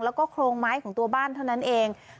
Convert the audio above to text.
แล้วก็โครงไม้ของตัวบ้านเท่านั้นเอง